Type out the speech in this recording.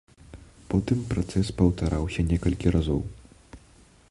Потым працэс паўтараўся некалькі разоў.